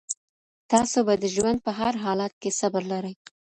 تاسو به د ژوند په هر حالت کي صبر لرئ.